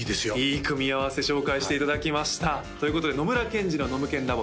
いい組み合わせ紹介していただきましたということで野村ケンジのノムケンＬａｂ！